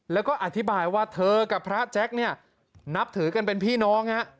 แล้วก็อธิบายว่าเธอกับพระแจ็คเนี่ยนับถือกันเป็นพี่น้องฮะ